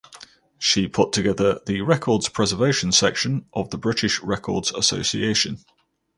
She put together the Records Preservation Section of the British Records Association.